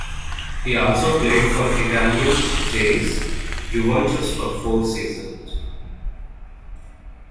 He also played for Italian giants Juventus for four seasons.